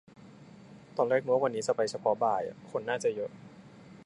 ตอนแรกนึกว่าวันนี้ไปเฉพาะบ่ายอ่ะ คนน่าจะเยอะ